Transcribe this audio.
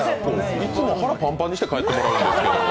いつも腹パンパンにして帰ってもらうんですけど。